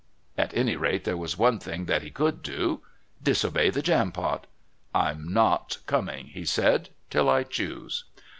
At any rate, there was one thing that he could do, disobey the Jampot. "I'm not coming," he said, "till I choose."